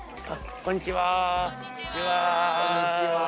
こんにちは。